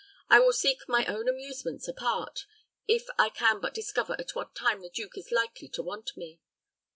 I will seek my own amusements apart, if I can but discover at what time the duke is likely to want me.